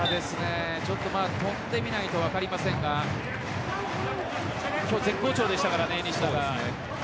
跳んでみないと分かりませんが今日、絶好調でしたからね西田が。